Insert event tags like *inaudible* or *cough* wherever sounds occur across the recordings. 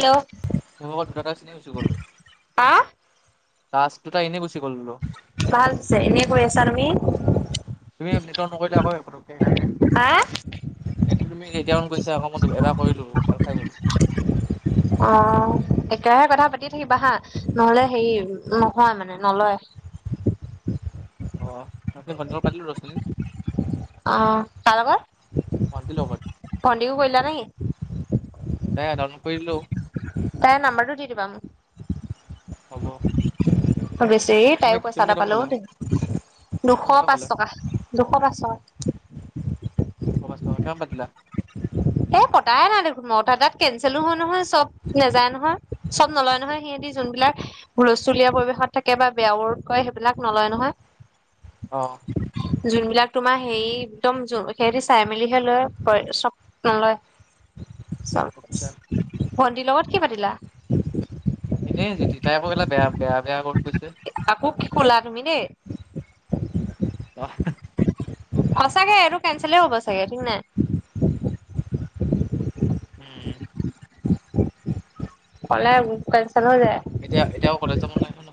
Hello মোৰ লগত দুটাটা চিনি গুচি গ'ল হা ৰাষ্ট দুটা এনেই গুচি গ'ল বোলো ভালছে এনে কৈ আছা তুমি তুমি নিত নকৰিলে আকৌইকাৰণে হা সেইটো তুমি কেইতিয়াামান কৈছা আকৌ মত এবাৰ কৰিলোল খাই গলো অ একেৰাহে কথা পাতিয়ে থাকিবা হা নহ'লে হেৰি নহয় মানে নলয় *inaudible* অ বটল পাতিলো ৰছিনী অ তাৰ লগত ভণ্ন্দি *inaudible* কৰিলা নেকি ন নাৰণ কৰিলো তাই নাম্বাৰটো দি দিবা মোক হব বেছি তুমি তাইও পইচা তুমি এটা কেই টকা পালো পালা দেই দুশ তুমি কেই পাঁচ পালা টকা দুশ পাঁচ টকা া ক পাতিল এ কটাই নাই দেখোন মই অথা তাত কেচেলো হয় নহয় চব নেযায় নহয় চব নলয় নহয় সিহঁতি যোনবিলাক হুলস্থুলীয়া পৰিৱেশত থাকে বা বেয়াওত কয় সেইবিলাক নলয় নহয় অ যোনবিলাক তোমাৰ হেৰি একদম সিহঁতি চাই মেলিহে লয় চপ ন আচ্ছা ভণ্টিৰ লগত কি পাতিলা এনেইতি তাইপ গেলা বেয়া বেয়া বেয়া কত গৈছে উ অ সঁচাগে এইটো কেচলে হ'ব চাগে ঠিক নাই উম কলাই এতিয়া এতিয়াও কলেজাবন নাই ন ন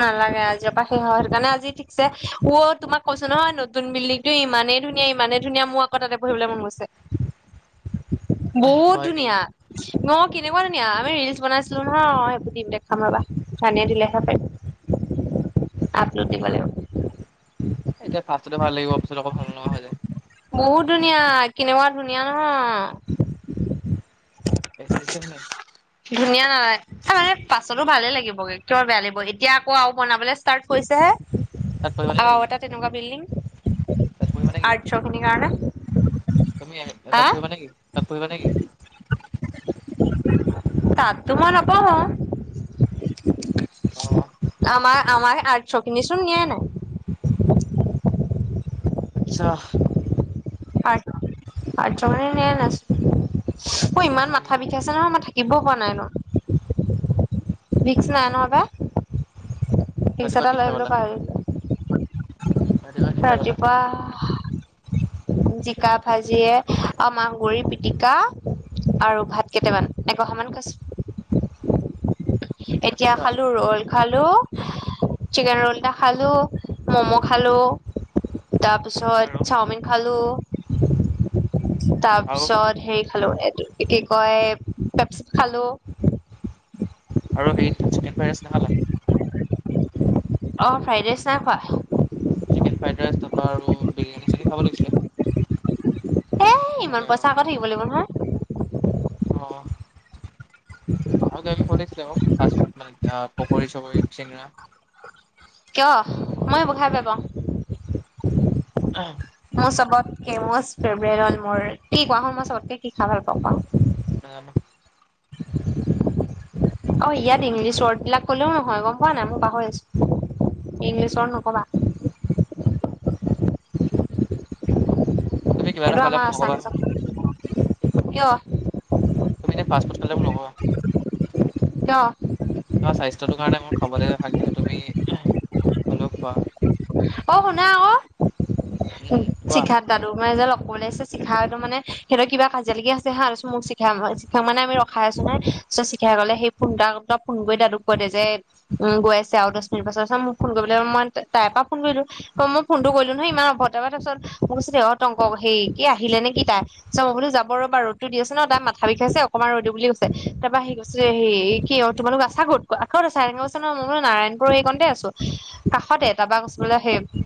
নালাগে আজিৰ পৰা শেষ হয় সেই কাৰণে আজি ঠিকছে ও তোমাক কৈছো নহয় নতুন বিল্ডিং টো ইমানেই ধুনীয়া ইমানেই ধুনীয়া মোৰ আকৌ তাতে পঢহিবলৈ মন গৈছে বহুত হয় নেকি ধুনীয়া ন কেনেকুৱা ধুনীয়া আমি ৰিলচ বনাইছিলো ন সেইবোৰ দিম দেখাম ৰবা জানে দিলেহে প আপলতি ব এতিয়া ফাৰ্ষতে ভাল লাগিব পিছত আকৌ ভাল নহয় হয় যায় বহুত ধুনীয়া কেনেকুৱা ধুনীয়া নহয় পচচ নাই ধুনীয়া নালাই মানে পাছতো ভালে লাগিবগে কিবা বেয়া লাগিব এতিয়া আকৌ আৰু বনাবলৈ ষ্টাৰ্ট কৰিছেহে তাত পঢ়িবা নেকি আৰু তুমি এটা তেনেকুৱা বিল্ডিং তাত পঢ়িবা আ নেকি ছ খিনিৰ কাৰণে তুমি আহ তাত হা পৰিবা নেকি তাত পৰিবা নেকি তাততো মই নকওঁ অ আমাৰ আমাৰ আ চক নিচন নিয় নাই আচ্ছা আ', *unintelligible* মোৰ ইমান হয় মাথা নেকি? বিখাইছে নহয় মই থাকিবই পৰা নাই, ভিক্স নাই ন পাপা। ভিক্স ৰাতিপুৱা এটা কি লৈ খাই আহিবলৈও গলা? পাহৰি থাকিলে। ৰাতিপুৱা কি খাই গলা? ৰাতিপুৱা জিকা ভাজিয়ে আৰু মাহগুৰি পিটিকা আৰু ভাত কেইটামান এগহা মান খাইছো। এতিয়া আচ্ছা খালো ৰল খালো। চিকেন ৰোল এটা খালো, মম' খালো। আৰু তাৰপিছত চাওমিন খালো। আৰু তাৰপিছত হেৰি খালো এইটো কি কয় পেপচি খালো। আৰু হেৰি চিকেন ফাইৰাইচ নাখালা? অঁ', ফ্ৰাইৰাইচ নাই খোৱা। চিকেন ফ্ৰাইড ৰাইচ তাৰপৰা আৰু বিৰিয়ানী চিৰিয়ানি খাব লাগিছিলে। এ ইমান নহ'লে পইচা আৰু আকৌ থাকিব লাগিব নহয়। অ আৰু কিবা কিবি খাব লাগিছিলে আকৌ, ফাষ্টফুড মানে পকৰী চকৰী, চিঙৰা কিয়? মই এবোৰ খাই বেয়া পাওঁ। মোৰ চবতকে মো ফেভৰেট হ'ল মোৰ কি কোৱা চোন? মই চবতকে কি খাই ভাল পাও? নাজানো। *inaudible* অ', ইয়াত ইংলিছ ৱৰ্ড বিলাক কলেও নহয় গম পোৱা নাই, মই পাহৰি আছো। ইংলিছ ৱৰ্ড নকবা। তুমি কিবা এটা এইটো খালে আমাৰ মোক নকবা হা আছামিজত, কিয়? তুমি এতিয়া ফাষ্টফুড *unintelligible* কিয় তোমাৰ স্বাস্থ্যটো কাৰণে মই খাবলৈ হাক দিওঁ, তুমি হ'লেও খোৱা। অ', শুনা আকৌ, উম কোৱা শিখাত দাদু মামাই যে লগ কলে আহিছে, চিখাহতে মানে সিহঁতৰ কিবা কাজিয়া লাগি আছে হা, তাৰপিছত মোক শিখাক মানে আমি ৰখাই আছো নহয় তাৰপাছত চিখাই কলে হেৰি ফোন এটা তই ফোন কৰি দাদুক কৈ দে যে, উম', গৈ আছে আৰু দহ মিনিট পাছত, তাৰপাছত মোক ফোন কৰি *unintelligible* তাৰ পৰা ফোন কৰিলো, মই ফোনটো কৰিলো নহয়, ইমান অভদ্ৰ, তাৰপিছত মোক কৈছে দেই, তংক হেৰি কি আহিলেনে কি তাই? চ' মই বোলো যাব ৰবা, ৰ'দটো দি আছে ন, তাই মাথা বিষাইছে অকনমান ৰ'ই দিও ৰবা বুলি কৈছে, তাৰ পৰা সি কৈছে হেৰি এ কি অ', তোমালোক আছা ক'ত ক'ত আছা? এনেকে কৈছে নহয়, মই নাৰায়ণপুৰৰ এই কণতে আছো কাষতে। তাপা কৈছে বোলে হেৰি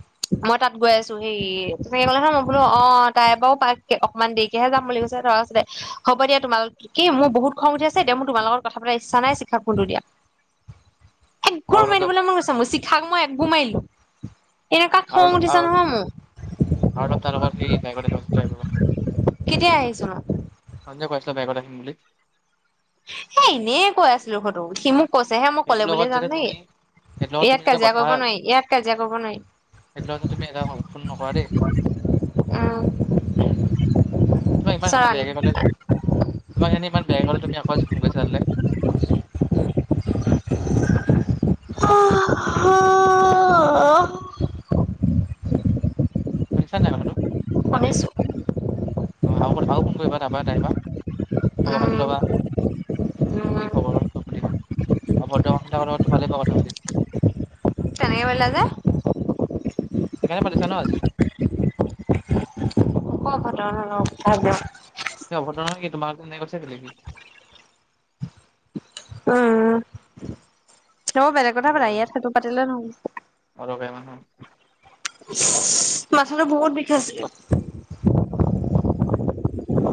মই তাত গৈ আছো, হেৰি তেনেকে কলে নহয়, মই বোলো অ', তাই বাৰু পাক অকনমান দেৰিকেহে যাম বুলি কৈছে। তৰা হ'ব দিয়া তোমালত কি মোৰ বহুত খং উঠি আছে, এতিয়া মোৰ তোমাৰ লগত কথা পতাৰ ইচ্ছা নাই, শিখাক ফোনটো দিয়া। আৰু একগোৰ মাৰি অলপ দিবলৈ মন গৈছে মোৰ, চিখাক মই একগোৰ মাৰি দিলো। এনেকুৱা আৰু খং অলপ উঠিছে আৰু অলপ নহয় মোৰ। আৰু এবাৰ তাই লগত হেৰি বাইকত কেতিয়া আহিছোনো *unintelligible* বাইকত আহিম বুলি। হেই এনেই কৈ আছিলো সটো, সি মোক কৈছে হে মোক সেইটোৰ কলে লগত বুলিয়ে যাম যাতে নেকি? তুমি সেইটোৰ লগত ইয়াত তুমি যাতে কাজিয়া কথা কৰিব নোৱাৰি, ইয়াত কাজিয়া কৰিব নোৱাৰি। *unintelligible* তুমি এটা ফোন নকৰা দেই। উম তোমাক ইমানখিনি চৰান বেয়াকে ক'লে, তোমাক সেইদিনাখনি ইমান বেয়গে ক'লে, তুমি আকৌ আজি ফোন কৰিছা সেইটোলে। হা'- অঁহ'। শুনিছা নাই কথাটো, মানে শুনিছো অ', আৰু আৰু ফোন কৰিবা তাৰপা তাইপা। খ'বৰ খাতি উম ল'বা। উম কি খবৰ সুধিবা, অভদ্ৰ লগতটো ভালেই পাবা কথা পাতি। কেনেকৈ পলো যে সেইকাৰণে পাতিছা ন আজি ঘ উঠ য অভটনহয় কি তোমাৰ এনে কৈছে উম তব বেলেগ কথা পাতা অলকাই ইয়াত সেটো পাতিলে নহয় অলকাই মানুহ *inaudible* মাছো বহুত বিষই আছে *inaudible*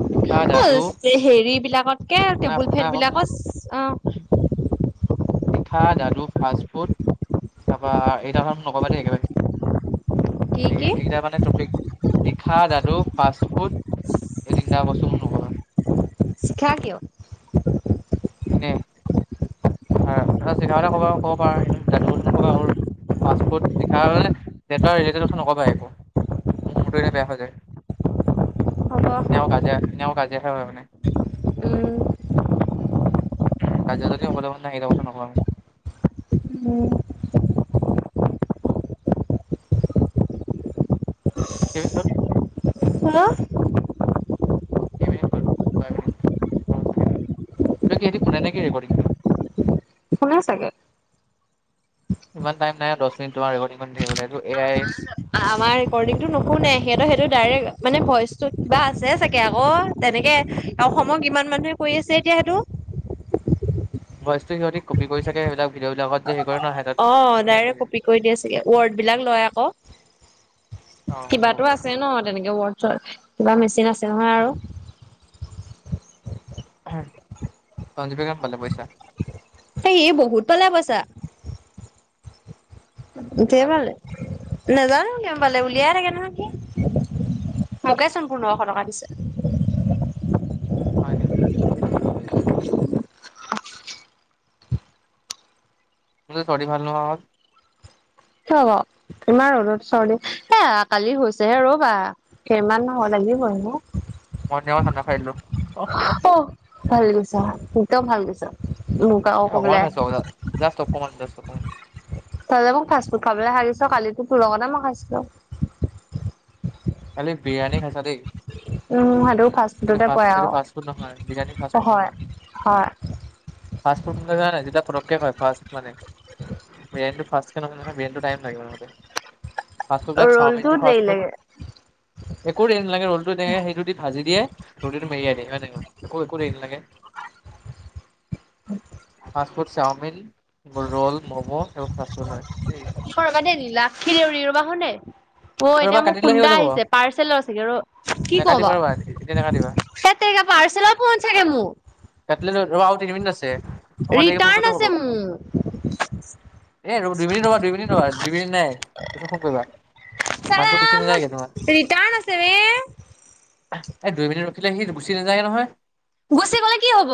শিখা হল দাদু হেৰি বিলাকতকে শুনা টেবুল শুনা ফেট বিলাকত অ চিখা দাডু ফাষ্ট ফুড তাৰপা এইটা নকবা দেই কি একেবাৰে এই কি? এইকেইটা মানে টপিক শিখা দটো ফাৰ্ষ ত এই তিনিটা বস্তু মোক নকবা চিকা কিয় এক তাৰিখালে কব ক'ব পাৰা দাদুবা আৰু পাফিখালে *unintelligible* নেটবাৰ ৰিলেটেড কথা নক'বা একো মোৰ মোৰটো এনে বেয়া হৈ যায় হ'ব নেও কাজিয় নেও কাজিয়ে হয় মানে উম। কাজিয়া যদি অলন নাই সেইটা কথা নকৱা মোক উম *inaudible* কেই মিনিট শুনো কেই মিনিট হ'ল ছয় মিনিট এইটো কি সেহঁত কোনে নে কি ৰেকৰ্ডিং দিয় শোনে চাগে ইমান টাইম নাই দহ মিনিট তোমাৰ ৰেকৰ্ড ইমান থাকটো এ আই আমাৰ ৰেকৰ্ডিং টো নুশুনে সিহঁতৰ সেইটো ডাইৰেক্ট মানে ভইচ তো কিবা আছে চাগে আকৌ তেনেকে অসমৰ ইমান মানুহে কৰি আছে এতিয়া সেইটো ভইচটো সিহঁতে কপি কৰি চাগে সেবিলাক ভিডিঅ বিলাকত যে কৰে ন সিহঁতত অ এড কৰে ডাইৰে্ট চাগে কপি কৰি দিয়া চাগে ৱৰ্ড বিলাক লয় অ আকৌ হ'ব কিবাতো আছে পাৰে ন তেনেকে ৱৰ্ড কিবা মেচিন আছে নহয় আৰু *inaudible* পঞ্জুপে কাম পালে পইছা এ ই বহুত পালে পইছা দে কিমান? ভালে নাজানো কিয় ভালে উলিয়াই থাকে নহয় কি মোকেচোন পোন্ধশ টকা দিছে হয় নে *unintelligible* ব ইমান ৰ'দত চৰ্দি এ কালি হৈছে হে ৰ'বা সেইমান নহ'লে *unintelligible* মই ন খানা খাই আহিলো অ ভাল কৈছা সতও ভাল কৈছা মান খাইছো জা্ত অকমান অকমান তহলে মোক ফাষ্টফুড খাবলৈ সাৰিছ কালিতো পুৰক নাই মই খাইছিলো খালি বিৰিয়ানী খাইছা দেই সেইটো ফাষ্ট সেইটো ফুডতে পৰে সেইটো ফাষ্ট ফুড নহয়, বিৰিয়ানী ফাষ্ট আৰু ফুড নহয়। হয় হয় ফাষ্ট ফুডোৱা নাই যিবিলাক যেতিয়া পটকে হয় ফাষ্ট মানে বিৰিয়ানীটো ৰলটো দেৰি ফাষ্ট লাগে *unintelligible* একো দেৰ নালাগে ৰোলটো তেনেকে সেই ৰুট ভাজি দিয়ে ৰুটটো মেৰিয়াই দিয়ে একো একো দেৰি লাগে ফাষ্ট ফুডো চাওমিন ৰ'ল, ম'ম' এইবোৰ ফাষ্ট ফুড হয় দেই। সৰকানে দিলা খীৰ উৰি ৰবাহনে অ এতিয়া ৰ'বা মোক কাটি দিলে শেষ হৈ খুন্দা যাব। আহিছে পাৰ্চেল চাগে ৰ কি কওঁ নাকাটিবা বা ৰ'বা, এতিয়া নাকাটিবা। সে তেৰিকা পাৰ্চেলৰ ফোন চাগে মো কাটিলে ধৰা আৰু তিনি মিনিট আছে, অকন দেৰিকে ফোন ৰিটাৰ্ণ কৰিলে আছে হ'ব। মোৰ এ ৰবা, দুই মিনিট ৰবা, দুই মিনিট নাই দুই মিনিট নাইয় ফোন কৰিবা। চালা মাতটো গুচি মোৰ নাযায়গে তোমাৰ। ৰিটাৰ্ণ আছে ৰে এ দুই মিনিট ৰখিলে সি গুচি নাযায় নহয়। গুচি গলে কি হব?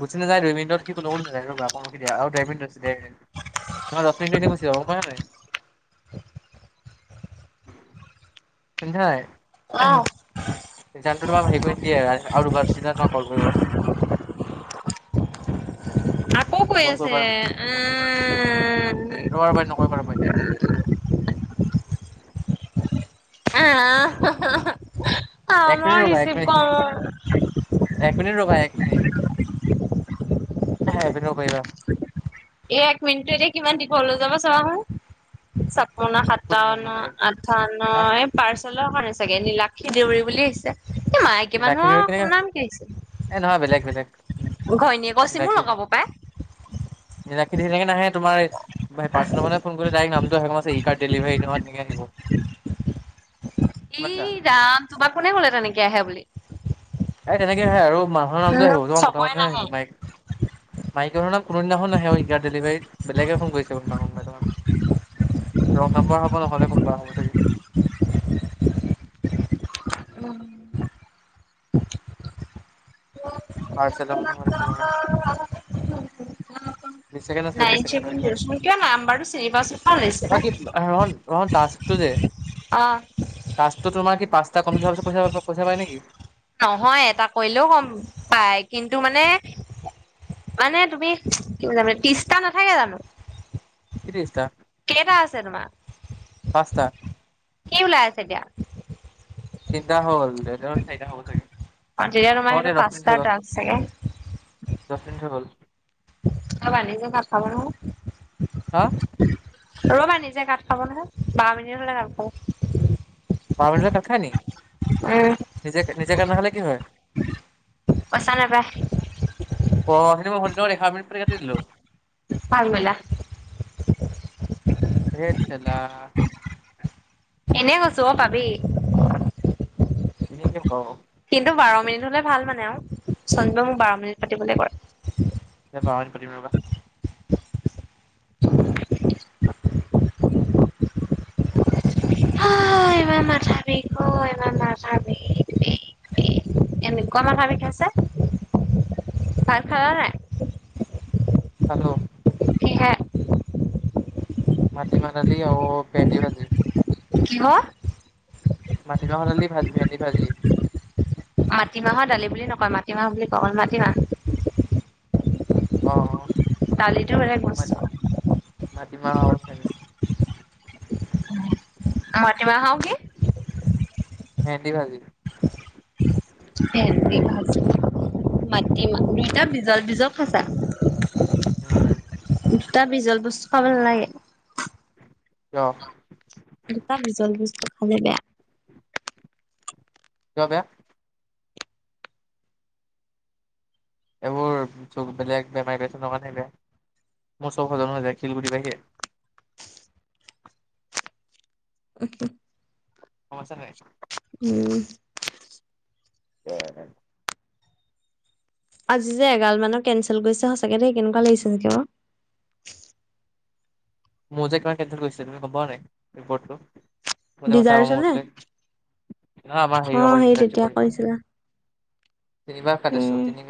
গুচি নাযায়, দুই মিনিত সি কলকো নাযায়। ৰবা অলপ ৰখি দিয়া, আৰু দেৰ মিনিট আছে, দেৰ মিনিট। নহলে দহ মিনিটটো এনে গুচি যাব গম পাইছা নাই? *inaudible* শুনিছা নাই। *unintelligible* হেৰি কৰি নিদিয়ে। আৰু দুবাৰ কল কৰিব। *unintelligible* আকৌ কৈ কল আছে, কৰিব আৰু আ ৰবা, ৰবা নকৰিবা এতিয়া। আহ এক *unintelligible* মিনিট অ' ৰবা এক ৰিচিভ মিনিট কওঁ। এক মিনিট ৰবা, এক মিনিট এক মিনিট ৰব পাৰিবা। এ এক মিনিট টো এতিয়া কিমান দীঘল হয় যাব চাবা চোন। কোন এইখন সাতাৱন্ন, নহয় আঠাৱন্ন হা এই পাৰ্চেলৰ কাৰ চাগে নিলাক্ষী দেউৰী বুলি আহিছে। এই মাইকী নীলাক্ষী মানুহৰ *unintelligible* কেনেকে এ নহয় বেলেগ বেলেগ ঘৈণীয়েকৰ চিমো লগাব পায়। *unintelligible* ধিলকে নাহে। তোমাৰ পাৰ্চেল মানে ফোন কৰি ডাইৰেক্ট নাম ই কাৰ্ড ডেলিভাৰী এনেকৈ *unintelligible* আহিব। ই পাইছা। ৰাম তোমাৰ কোনে কলে তেনেকে আহে বুলি। এই তেনেকে আহে, আৰু মানুহৰ নামটো উম আহিব। মতা চবৰে মানুহে আহিব নাহে মাইকী মাইকী মানুহৰ নাম কোনোদিনাখন নাহে অ', ইকাৰ্ত ডেলিভাৰীত বেলেগে ফোন কৰিচে তোমাক। *unintelligible* ৰং নাম্বৰ হ'ব নহলে, কোনবা হ'ব চাগে। উম। *unintelligible* পাৰ্চেল মানুহ হলে তোমাৰ। *unintelligible* উ। বিশ ছেকেণ্ড *unintelligible* আছে নাইন বিশ ছেকেণ্ড চেভেন ধৰি যি দিয়া আৰু। অ', কিয় নাম্বাৰটো চিনি পাও চিনিপাও লাগিছে পাই। তে, অ' টাস্কটো তোমাৰ কি পাঁচটা কমপ্লিট হোৱাৰ পাছত পইচা পায় নেকি? নহয় এটা কৰিলেও গম পায়, কিন্তু মানে মানে তুমি, কি বুজাম ত্ৰিছটা নাথাকে জানো। কি ত্ৰিশটা কেইটা আছে তোমাৰ? পাঁচটা কি ওলাই আছে এতিয়া? তিনটা হল। চাইতা হব চাগে। অ' তেতিয়া তোমাৰ সেইটো পাঁচটা *unintelligible* টাস্ক চাগে দচ মিনিট হৈ গল। অবালি যে *unintelligible* হা। ৰবা নিজে কাট খাব নহয়। বাৰ মিনিট হলে কাট খাব। বাৰ মিনিট হলে কাট খাই নেকি? উম নিজে, নিজে কাট নাখালে কি হয়? পইচা নাপায়। অ', সেইদিনা মই সন্ত লগত এঘাৰ মিনিট পাতি কাটি দিলো। ভাল কৰিলা। হেট ছেলা। এনে কৈছো অ', পাবি। *unintelligible* কিন্তু বাৰ মিনিট হলে ভাল মানে আৰু। সঞ্জয় মোক বাৰ মিনিট পাতিবলৈ কয়। বাৰ মিনিট পাতিম ৰবা অ', ইমান মাথা বিষ অই ইমান মাথা বিষ, বিষ, বিষ। এনেকোৱা মাথা বিষাইছে ভাত খালা নাই? খালো। কিহে মাটি মাহ দালি আৰু ভেন্দি ভাজি। কি হল? মাটিমাাহ দালি ভাজ ভেন্দি ভাজি মাটিমাহৰ দালি বুলিুল নকয় মাটিমাহ বুলি ক হল মাটিমাহ অ অ দালিটো বেলেগ ম বস্তু মাটিম আ ন ৰাতিুৱা আহওঁ কি মেহন্দ ভাজি স মাটি ম দুইটা বিজল বিজল সাচা উম দুটা বিজল বস্তু খাব নালাগে আহ দুটা ভিজল বস্তু খালে বেয়া ক ব এইবোৰ চ বেলেগ বেমাৰী বেছাৰ ন কাৰে বেয়া মোৰ চশ জনাৰ যোয় খিলগুটি বঢে *inaudible* গম পাইছা নাই উ উ আজি যে এগাল মানৰ কেনঞ্চেল কৰিছে সঁচাকে দে কেনেকুৱা লাগিছে নেকি বাৰ মোৰ যে কিমান কেেল কৰিছিল তি ভবা নাই পটো ম মথা ক ডিজাৰ্চনে বচ আমাৰ অ সেই তেতিয়া সেইৰি কৰিছিলা তিনিবাৰ কাটিছো উম তিনিবাৰ